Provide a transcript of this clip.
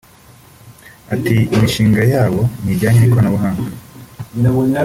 Ati "Imishinga yabo n’ijyanye n’ikoranabuhanga